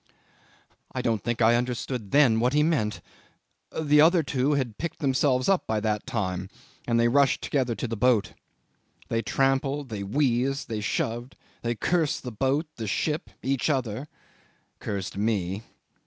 '"I don't think I understood then what he meant. The other two had picked themselves up by that time, and they rushed together to the boat. They tramped, they wheezed, they shoved, they cursed the boat, the ship, each other cursed me.